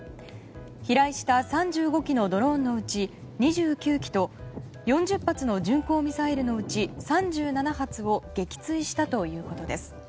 飛来した３５機のドローンのうち２９機と４０発の巡航ミサイルのうち３７発を撃墜したということです。